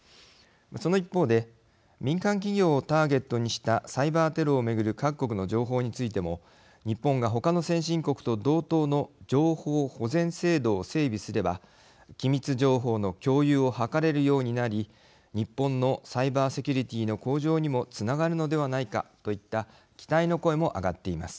その一方で民間企業をターゲットにしたサイバーテロを巡る各国の情報についても日本が他の先進国と同等の情報保全制度を整備すれば機密情報の共有を図れるようになり日本のサイバーセキュリティーの向上にもつながるのではないかといった期待の声も上がっています。